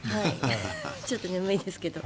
ちょっと眠いですけど。